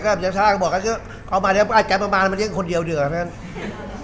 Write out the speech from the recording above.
ก็เดี๋ยวศาลามีบอกกันก็เอามาเดี๋ยวอาจจะมามาแล้วมันยังคนเดียวเดี๋ยว